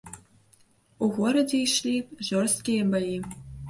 У горадзе ішлі жорсткія баі.